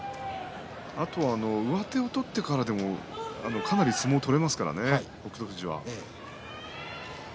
あとは上手を取ってからでもかなり相撲が取れますからね北勝富士は。